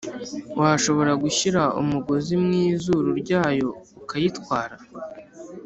Washobora gushyira umugozi mu izuru ryayo ukayitwara